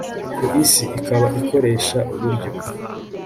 ku isi, ikaba ikoresha uburyo